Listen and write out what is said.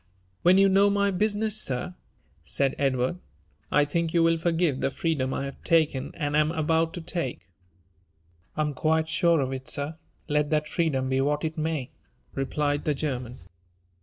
When you know my business, sir," said Edward, I think you will forgive the freedom I have taken, and am about to take." I am quite sure of it, sir, let that freedom be what it may," replied the German.